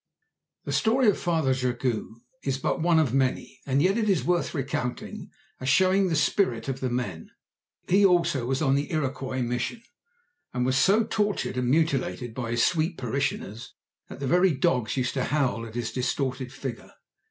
The story of Father Jogue is but one of many, and yet it is worth recounting, as showing the spirit of the men. He also was on the Iroquois Mission, and was so tortured and mutilated by his sweet parishioners that the very dogs used to howl at his distorted figure.